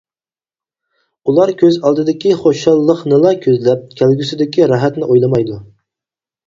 ئۇلار كۆز ئالدىدىكى خۇشاللىقنىلا كۆزلەپ، كەلگۈسىدىكى راھەتنى ئويلىمايدۇ.